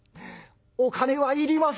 お金はいりません」。